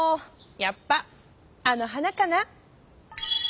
やっぱあの花かな。